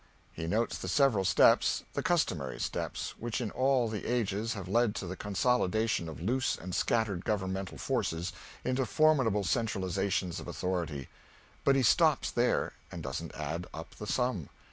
He notes the several steps, the customary steps, which in all the ages have led to the consolidation of loose and scattered governmental forces into formidable centralizations of authority; but he stops there, and doesn't add up the sum.